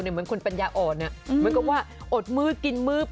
เหมือนคนปัญญาอ่อนเหมือนกับว่าอดมือกินมื้อ